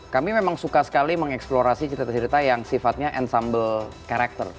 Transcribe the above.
kami memang suka sekali mengeksplorasi cerita cerita yang sifatnya ensemble karakter